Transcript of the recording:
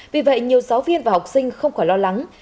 vì vậy nhiều giáo viên và học sinh không khỏi lo lắng